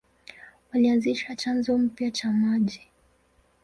Walianzisha chanzo mpya cha maji.